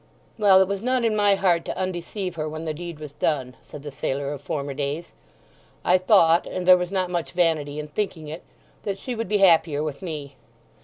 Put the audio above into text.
"Well, it was not in my heart to undeceive her when the deed was done," said the sailor of former days. "I thought, and there was not much vanity in thinking it, that she would be happier with me.